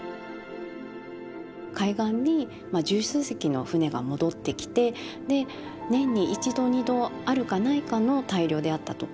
海岸に十数隻の船が戻ってきて年に一度二度あるかないかの大漁であったと。